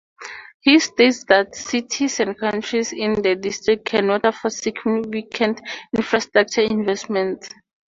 He states that cities and counties in the district cannot afford significant infrastructure investments.